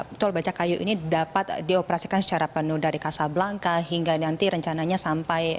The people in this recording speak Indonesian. jalan tol becakayu ini dapat dioperasikan secara penuh dari casablanca hingga nanti rencananya sampai